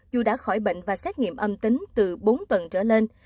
dù đã khỏi bệnh và xét nghiệm âm tính từ bốn tuần trở lên